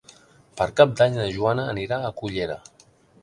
Per Cap d'Any na Joana anirà a Cullera.